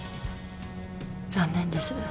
残念です。